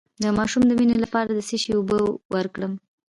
د ماشوم د وینې لپاره د څه شي اوبه ورکړم؟